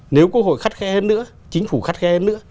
nếu quốc hội khắt khe hơn nữa chính phủ khắt khe hơn nữa